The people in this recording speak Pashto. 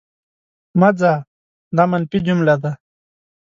مه ځه! دا منفي جمله ده.